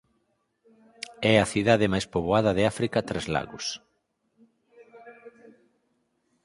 É a cidade máis poboada de África tras Lagos.